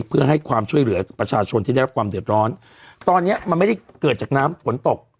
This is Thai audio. เพื่อให้ความช่วยเหลือประชาชนที่ได้รับความเดือดร้อนตอนเนี้ยมันไม่ได้เกิดจากน้ำฝนตก